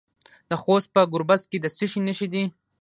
د خوست په ګربز کې د څه شي نښې دي؟